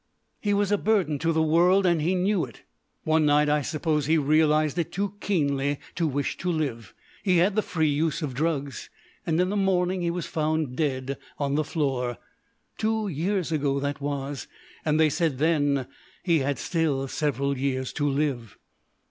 "He was a burden to the world, and he knew it. One night I suppose he realised it too keenly to wish to live. He had the free use of drugs and in the morning he was found dead on the floor. Two years ago, that was, and they said then he had still several years to live."